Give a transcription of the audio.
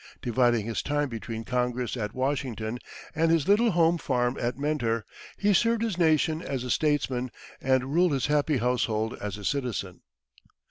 Dividing his time between Congress at Washington and his little home farm at Mentor, he served his nation as a statesman, and ruled his happy household as a citizen.